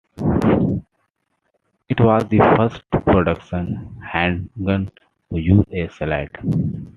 It was the first production handgun to use a slide.